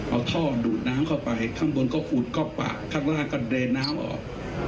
เอาท่อดูดน้ำเข้าไปข้างบนก็อุดเข้าปากข้างล่างก็เดินน้ำออก